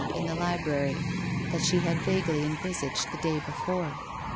in the library, that she had vaguely envisaged the day before.